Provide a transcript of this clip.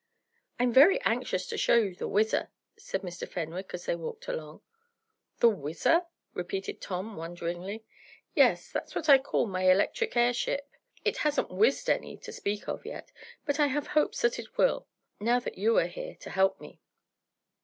"I am very anxious to show you the WHIZZER," said Mr. Fenwick, as they walked along. "The WHIZZER?" repeated Tom, wonderingly. "Yes, that's what I call my electric airship. It hasn't 'whizzed' any to speak of yet, but I have hopes that it will, now that you are here to help me.